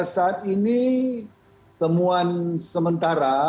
saat ini temuan sementara